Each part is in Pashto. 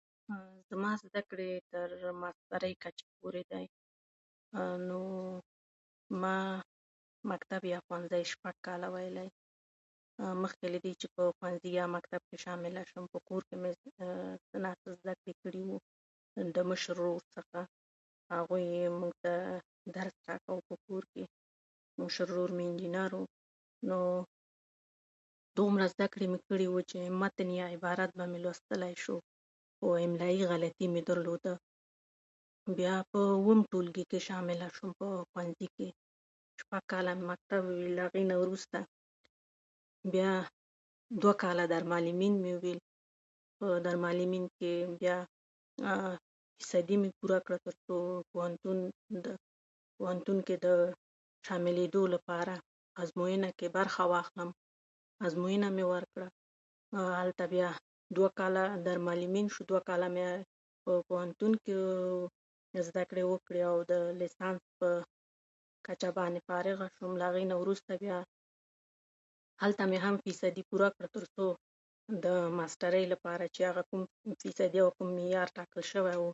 زما زده کړې تر ماسترۍ کچې پورې دي. عه عه، نووو، ما مکتب یا ښوونځی شپږ کاله ویلی. نو مخکې له دې چې ښوونځي یا مکتب کې شامله شم، په کور کې مې زده، عه عه، نه زده کړې کړې وه. د مشر ورور څخه، هغوی موږ ته درس راکاوه په کور کې. مشر ورور مې انجنیر و. نوو عه عه دومره زده کړې مې کړې وې چې متن یا عبارت مې لوستلی شو، املایي غلطۍ مې درلوده. بیا په اووم ټولګي کې شامله شوم. په ښوونځي کې شپږ کاله مې مکتب وویل. له هغه نه وروسته بیا دوه کاله دارالمعلمین مې وویل. په دارالمعلمین کې بیا عه عه هغه فیصدي مې پوره کړه، تر څو په پوهنتون د پوهنتون کې د شاملېدو لپاره آزموینه کې برخه واخلم. آزموینه مې ورکړه او هلته بیا دوه کاله دارالمعلمین شو. دوه کاله مې په پوهنتون کې عه عه زده کړې وکړې او د لیسانس په کچه باندې فارغه شوم. له هغه نه وروسته هلته مې هم فیصدي پوره کړه، تر څو د ماسترۍ لپاره چې هغه کومه فیصدي وه او کوم معیار ټاکل شوی و،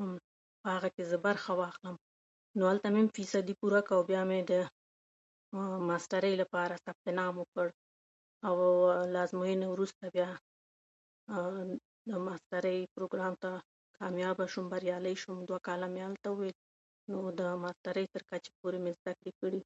هغه کې زه برخه واخلم. نو هلته مې هم فیصدي پوره کړه. بیا مې د ماسترۍ لپاره ثبت نام وکړ او عه عه، له آزموینې وروسته بیا هغه د ماسترۍ پروګرام ته کامیابه شوم، بریالۍ شوم، دوه کاله مې هلته وویل. نو د ماسترۍ تر کچه پورې مې زده کړې کړې.